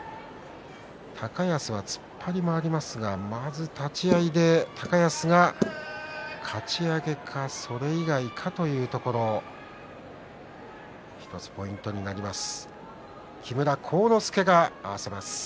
高安は突っ張りもありますがまず立ち合いで、高安がかち上げか、それ以外かというところ１つポイントになります。